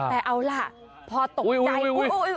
แต่เอาล่ะพอตกใจ